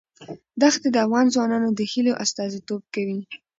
دښتې د افغان ځوانانو د هیلو استازیتوب کوي.